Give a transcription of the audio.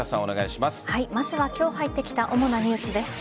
まずは今日入ってきた主なニュースです。